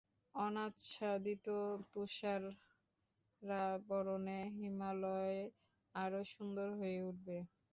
অনাচ্ছাদিত তুষারাবরণে হিমালয় আরও সুন্দর হয়ে উঠবে।